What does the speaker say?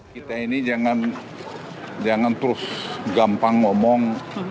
kita ini jangan terus gampang ngomong